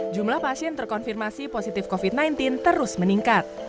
jumlah pasien terkonfirmasi positif covid sembilan belas terus meningkat